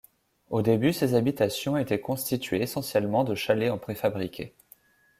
Au début ses habitations étaient constituées essentiellement de chalets en préfabriqué.